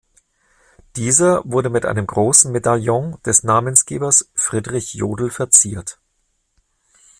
Dieser wurde mit einem großen Medaillon des Namensgebers Friedrich Jodl verziert.